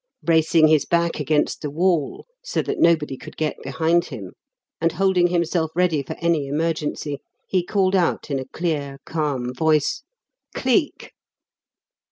Bracing his back against the wall, so that nobody could get behind him, and holding himself ready for any emergency, he called out in a clear, calm voice: "Cleek!"